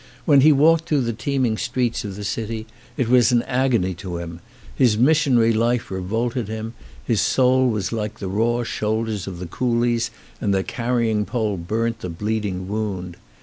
When he walked through the teeming streets of the city it was an agony to him, his missionary life re volted him, his soul was like the raw shoulders of the coolies and the carrying pole burnt the bleeding wound.